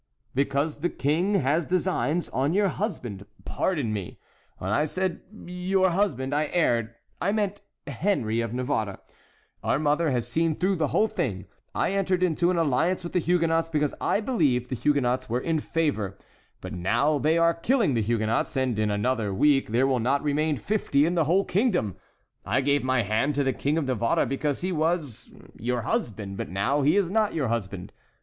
"Because the King has designs on your husband! Pardon me, when I said your husband, I erred; I meant Henry of Navarre. Our mother has seen through the whole thing. I entered into an alliance with the Huguenots because I believed the Huguenots were in favor; but now they are killing the Huguenots, and in another week there will not remain fifty in the whole kingdom. I gave my hand to the King of Navarre because he was—your husband; but now he is not your husband.